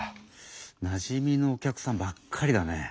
なじみのお客さんばっかりだね。